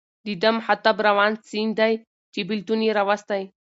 د ده مخاطب روان سیند دی چې بېلتون یې راوستی.